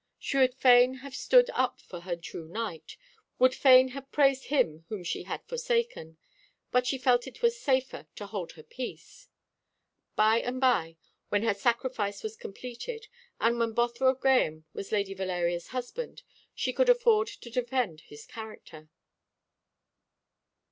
She would fain have stood up for her true knight, would fain have praised him whom she had forsaken; but she felt it was safer to hold her peace. By and by, when her sacrifice was completed, and when Bothwell Grahame was Lady Valeria's husband, she could afford to defend his character.